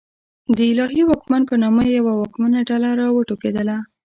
د الهي واکمن په نامه یوه واکمنه ډله راوټوکېده.